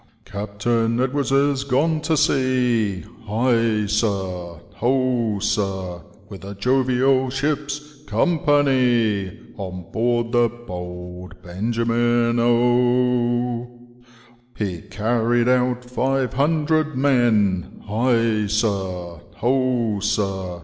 <* Captain Edwards is gone to sea, High sir, ho sir, With a jovial ship*s company, .On board the Bold Benjamin, O, ' He carried out five hundred men, High sir, ho sir.